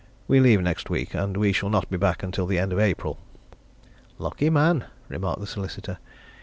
We leave next week, and we shall not be back until the end of April." "Lucky man!" remarked the solicitor.